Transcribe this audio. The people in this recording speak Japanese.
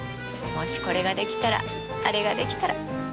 もしこれができたらあれができたら。